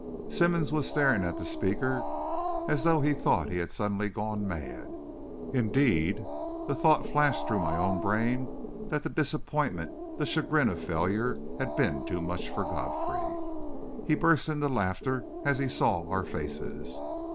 Simmonds was staring at the speaker as though he thought he had suddenly gone mad. Indeed, the thought flashed through my own brain that the disappointment, the chagrin of failure, had been too much for Godfrey. He burst into laughter as he saw our faces.